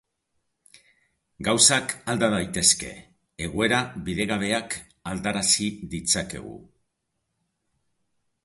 Gauzak alda daitezke, egoera bidegabeak aldarazi ditzakegu.